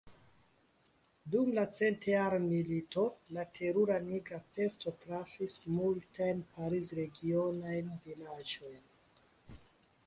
Dum la centjara milito, la terura nigra pesto trafis multajn Pariz-regionajn vilaĝojn.